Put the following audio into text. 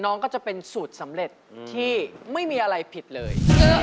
น้องก็จะเป็นสูตรสำเร็จที่ไม่มีอะไรผิดเลย